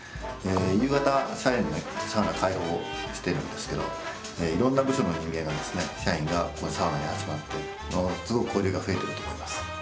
夕方社員にサウナ開放してるんですけどいろんな部署の人間がですね社員がサウナに集まってすごく交流が増えてると思います。